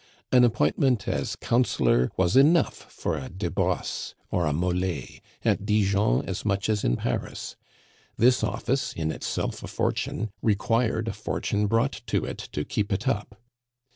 An appointment as councillor was enough for a de Brosses or a Mole, at Dijon as much as in Paris. This office, in itself a fortune, required a fortune brought to it to keep it up.